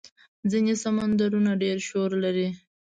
ځینې سمندرونه ډېر شور لري.